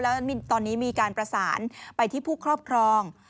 แล้วตอนนี้มีการประสานไปที่ผู้ครอบครอง